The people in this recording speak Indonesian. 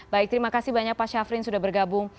baik terima kasih banyak pak syafrin sudah bergabung